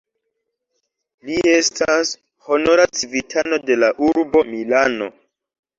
Li estas honora civitano de la urbo Milano.